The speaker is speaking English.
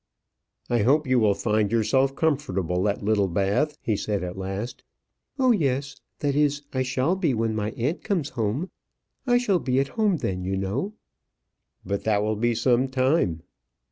"I hope you will find yourself comfortable at Littlebath," he said at last. "Oh, yes; that is, I shall be when my aunt comes home. I shall be at home then, you know." "But that will be some time?"